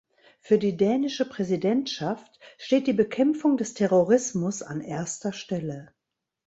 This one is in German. Für die dänische Präsidentschaft steht die Bekämpfung des Terrorismus an erster Stelle.